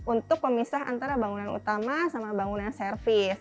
untuk pemisah antara bangunan utama sama bangunan servis